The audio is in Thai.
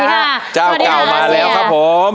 สวัสดีค่ะสวัสดีค่ะเจ้าเจ้ามาแล้วครับผม